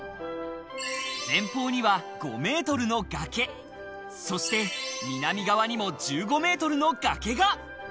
前方には５メートルの崖、そして南側にも１５メートルの崖が。